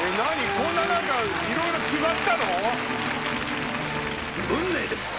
こんないろいろ決まったの？